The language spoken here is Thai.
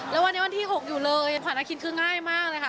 แล้ววันนี้วันที่๖อยู่เลยผ่านอาคินคือง่ายมากเลยค่ะ